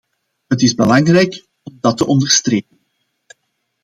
Het is belangrijk om dat te onderstrepen.